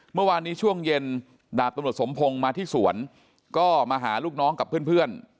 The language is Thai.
เมื่อวานนี้ช่วงเย็นดาบตำรวจสมพงศ์มาที่สวนก็มาหาลูกน้องกับเพื่อน